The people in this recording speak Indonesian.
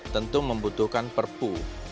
tentu membutuhkan perpu